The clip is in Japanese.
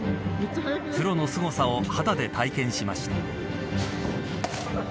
プロのすごさを肌で体験しました。